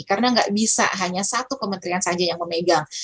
karena nggak bisa hanya satu pemerintahan saja yang memegang